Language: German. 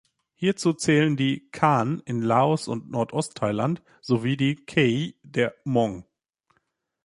Hierzu zählen die "khaen" in Laos und Nordostthailand sowie die "qeej" der Hmong.